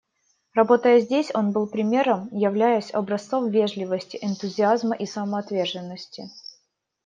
Работая здесь, он был примером, являясь образцом вежливости, энтузиазма и самоотверженности.